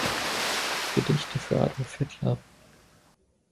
Gedichte für Adolf Hitler".